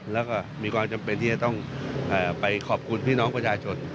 แล้วก็มีความจำเป็นที่จะต้องไปขอบคุณพี่น้องประชาชน